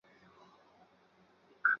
明朝末年政治人物。